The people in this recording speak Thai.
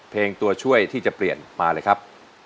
ตัวช่วยที่จะเปลี่ยนมาเลยครับ